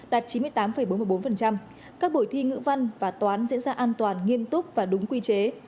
đạt chín mươi tám bốn mươi bốn các buổi thi ngữ văn và toán diễn ra an toàn nghiêm túc và đúng quy chế